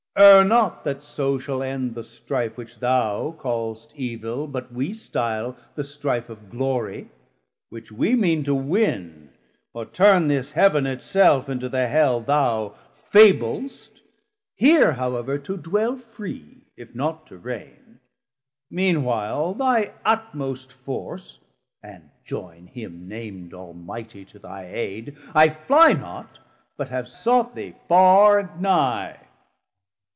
erre not that so shall end The strife which thou call'st evil, but wee style The strife of Glorie: which we mean to win, 290 Or turn this Heav'n it self into the Hell Thou fablest, here however to dwell free, If not to reign: mean while thy utmost force, And join him nam'd Almightie to thy aid, I flie not, but have sought thee farr and nigh.